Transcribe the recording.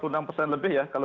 kalau kita berbicara kepatuhan